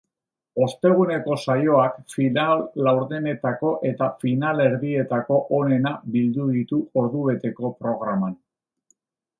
Osteguneko saioak final-laurdenetako eta finalerdietako onena bildu ditu ordubeteko programan.